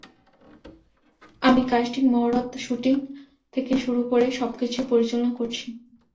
আমি কাস্টিং, মহরত শুটিং থেকে শুরু করে, সবকিছুই পরিচালনা করছি।